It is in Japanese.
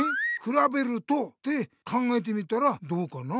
「くらべると？」って考えてみたらどうかな。